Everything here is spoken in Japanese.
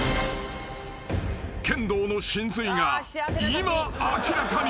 ［剣道の神髄が今明らかに］